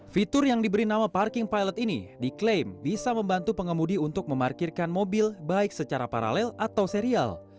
fitur yang diberi nama parking pilot ini diklaim bisa membantu pengemudi untuk memarkirkan mobil baik secara paralel atau serial